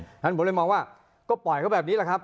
เพราะฉะนั้นผมเลยมองว่าก็ปล่อยเขาแบบนี้แหละครับ